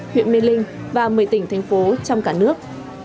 huyện mê linh và một mươi tỉnh thành phố trong cả nước